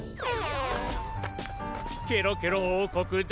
ケロケロおうこくだ。